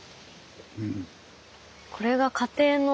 うん。